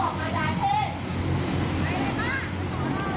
กลับมาเล่าให้ฟังครับ